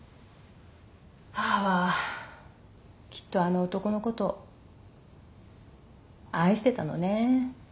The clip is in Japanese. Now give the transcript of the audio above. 母はきっとあの男のこと愛してたのね。